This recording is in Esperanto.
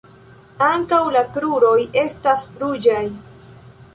Ankaŭ la kruroj estas ruĝaj.